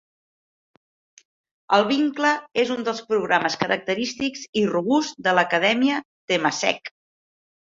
El vincle és un dels programes característics i robusts de l'acadèmia Temasek.